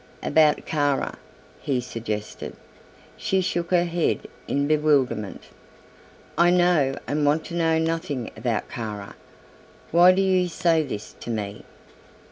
"About Kara?" he suggested. She shook her head in bewilderment. "I know and want to know nothing about Kara. Why do you say this to me?"